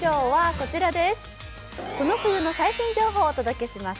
この冬の最新情報をお届けします。